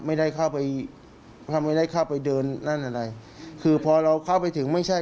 ไม่ได้เข้าไปไม่ได้เข้าไปเดินนั่นอะไรคือพอเราเข้าไปถึงไม่ใช่